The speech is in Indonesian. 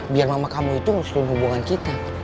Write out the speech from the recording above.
biar mama kamu itu ngusulin hubungan kita